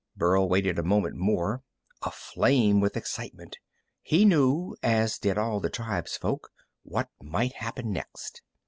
Burl waited a moment more, aflame with excitement. He knew, as did all the tribefolk, what might happen next.